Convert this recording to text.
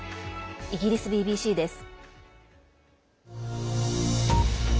イギリスＢＢＣです。